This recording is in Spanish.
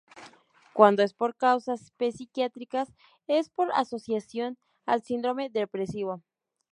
Cuando es por causas psiquiátricas es por asociación al síndrome depresivo.